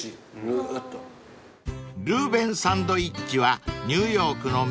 ［ルーベン・サンドウィッチはニューヨークの名物料理］